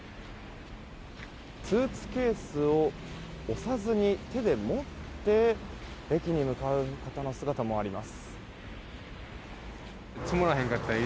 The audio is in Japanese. スーツケースを押さずに手で持って駅に向かう方の姿もあります。